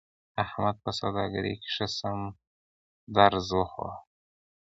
احمد په سوداګرۍ کې ښه سم درز و خوړ.